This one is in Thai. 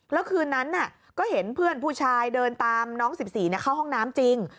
แล้วคืนนั้นก็เห็นเพื่อนผู้ชายเดินตามน้อง๑๔เข้าห้องน้ำจริง